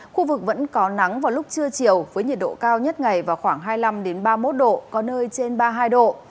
khu vực vẫn có nắng vào lúc trưa chiều với nhiệt độ cao nhất ngày vào khoảng hai mươi năm ba mươi một độ có nơi trên ba mươi hai độ